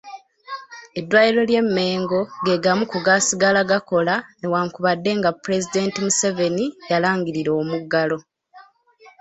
Eddwaliro ly'e Mengo ge gamu ku gaasigala gakola newankubadde nga Pulezidenti Museveni yalangirira omuggalo.